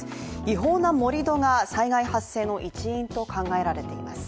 違法な盛り土が災害発生の一因と考えられています。